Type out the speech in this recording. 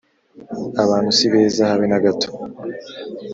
Abantu si beza habe nagato